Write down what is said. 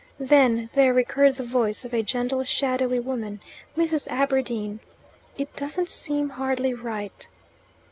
Then there recurred the voice of a gentle shadowy woman, Mrs. Aberdeen, "It doesn't seem hardly right."